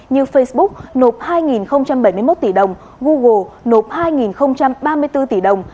như facebook nộp hai bảy mươi một tỷ đồng google nộp hai ba mươi bốn tỷ đồng